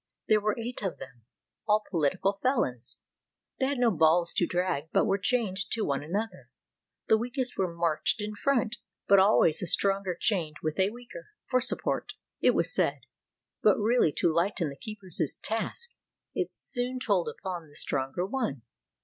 There were eight of them, all political felons. They had no balls to drag, but were chained to one another. The weakest were marched in front, but always a stronger chained with a weaker; for support, it was said, but really to lighten the keeper's task. It soon told upon the stronger one.